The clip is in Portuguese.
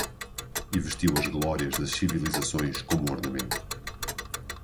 E vestiu as glórias das civilizações como ornamento